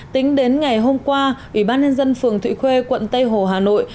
tính đến ngày hôm qua ủy ban nhân dân phường thụy khuê quận tây hồ hà nội